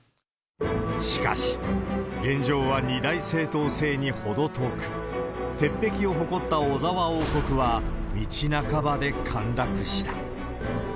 しかし、現状は二大政党制に程遠く、鉄壁を誇った小沢王国は道半ばで陥落した。